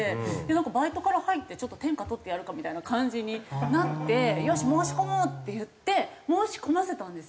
バイトから入ってちょっと天下取ってやるかみたいな感じになってよし申し込もう！っていって申し込ませたんですよ。